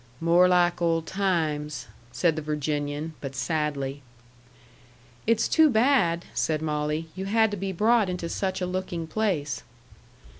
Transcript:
"More like old times," said the Virginian, but sadly. "It's too bad," said Molly, "you had to be brought into such a looking place."